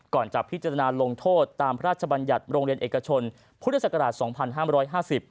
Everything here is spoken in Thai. ก่อนจะพิจารณาลงโทษตามพระราชบัญญัติโรงเรียนเอกชนพุทธศักราช๒๕๕๐